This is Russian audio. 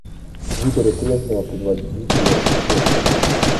Выборы прежнего предводителя Снеткова.